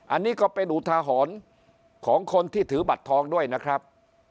อันนี้ก็เป็นอุทาหรณ์ของคนที่ถือบัตรทองด้วยนะครับ